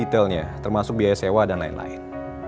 detailnya termasuk biaya sewa dan lain lain